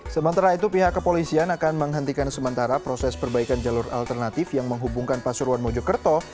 sementara itu pihak kepolisian akan menghentikan sementara proses perbaikan jalur alternatif yang menghubungkan pasuruan mojokerto